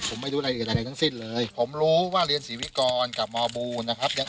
ผมไม่รู้อะไรอะไรกับมอบู๊ห์นะครับ